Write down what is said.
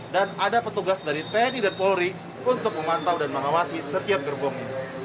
dan ada petugas dari tni dan polri untuk memantau dan mengawasi setiap gerbong